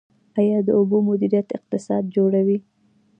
آیا د اوبو مدیریت اقتصاد جوړوي؟